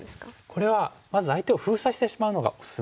これはまず相手を封鎖してしまうのがおすすめです。